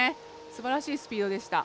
すばらしいスピードでした。